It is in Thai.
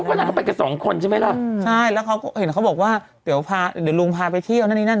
ก็นางก็ไปกันสองคนใช่ไหมล่ะใช่แล้วเขาก็เห็นเขาบอกว่าเดี๋ยวพาเดี๋ยวลุงพาไปเที่ยวนั่นนี่นั่น